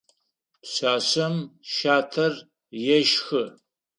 Пшъашъэм щатэр ешхы.